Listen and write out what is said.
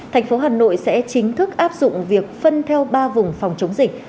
thành phố hà nội sẽ chính thức áp dụng việc phân theo ba vùng phòng chống dịch